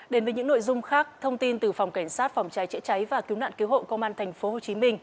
đến với những nội dung khác thông tin từ phòng cảnh sát phòng cháy chữa cháy và cứu nạn cứu hộ công an tp hcm